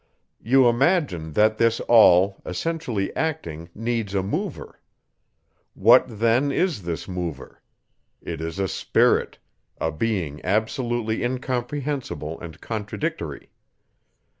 You imagine, that this all, essentially acting, needs a mover! What then is this mover? It is a spirit; a being absolutely incomprehensible and contradictory.